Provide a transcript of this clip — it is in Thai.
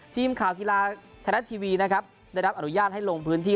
ทีมข่าวคียาแทนท์ทีวีได้รับอนุญาตให้ลงพื้นที่